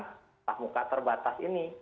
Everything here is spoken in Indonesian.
pembelajaran tahap muka terbatas ini